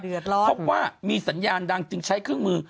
พบว่ามีสัญญาณดังจึงใช้เครื่องมือ